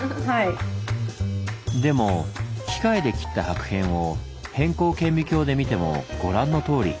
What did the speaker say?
でも機械で切った薄片を偏光顕微鏡で見てもご覧のとおり。